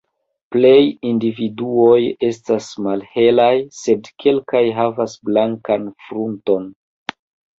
Plej individuoj estas malhelaj, sed kelkaj havas blankan frunton.